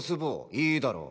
いいだろう。